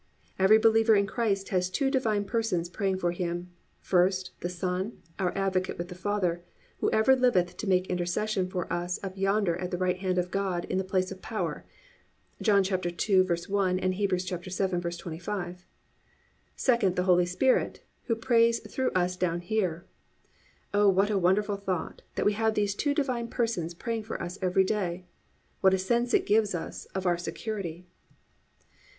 _ Every believer in Christ has two Divine Persons praying for Him. First, the Son, our Advocate with the Father, who ever liveth to make intercession for us up yonder at the right hand of God in the place of power (John 2:1 and Heb. 7:25). Second, the Holy Spirit who prays through us down here. Oh, what a wonderful thought, that we have these two divine persons praying for us every day. What a sense it gives us of our security.